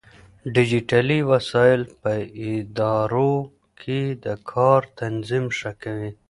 ډيجيټلي وسايل په ادارو کې د کار تنظيم ښه کوي.